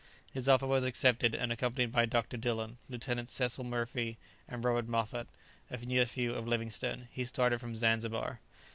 His offer was accepted, and accompanied by Dr. Dillon, Lieutenant Cecil Murphy, and Robert Moffat, a nephew of Livingstone, he started from Zanzibar.